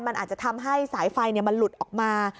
มันอาจจะทำให้สายไฟมันหลุดออกมา